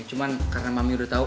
cuman karena mami udah tau